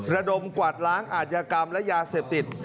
ระดมกวาดล้างอาจยากรรมและยาเสพติด